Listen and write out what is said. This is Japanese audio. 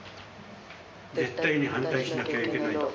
絶対に反対しなきゃいけない。